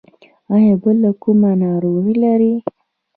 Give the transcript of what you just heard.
ایا بله کومه ناروغي لرئ؟